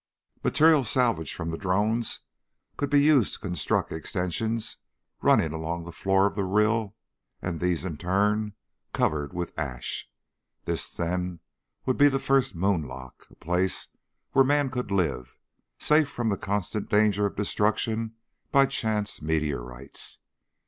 Materials salvaged from the drones could be used to construct extensions running along the floor of the rill and these, in turn, covered with ash. This, then, would be the first moonlock, a place where man could live, safe from the constant danger of destruction by chance meteorites.